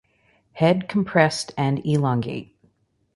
Head compressed and elongate.